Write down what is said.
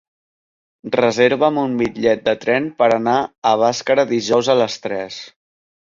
Reserva'm un bitllet de tren per anar a Bàscara dijous a les tres.